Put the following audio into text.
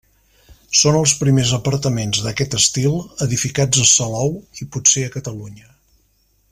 Són els primers apartaments d'aquest estil edificats a Salou i potser a Catalunya.